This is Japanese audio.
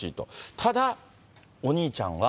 ただ、お兄ちゃんは。